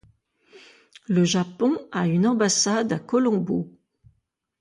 Le Japon a une ambassade à Colombo.